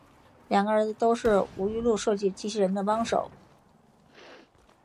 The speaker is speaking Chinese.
两个儿子都是吴玉禄设计机器人的帮手。